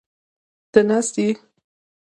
ته ناست یې؟